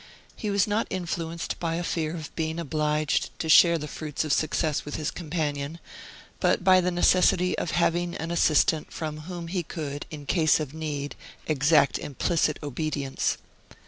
He was not influenced by a fear of being obliged to share the fruits of success with his companion, but by the necessity of having an assistant from whom he could, in case of need, exact implicit obedience.